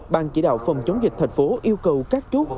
bàn chỉ đạo phòng chống dịch thành phố yêu cầu các chú